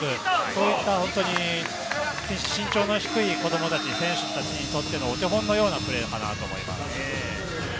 そういった身長の低い子供たち、選手にとってのお手本のようなプレーかなと思います。